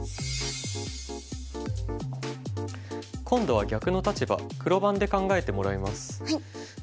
今度は逆の立場黒番で考えてもらいます。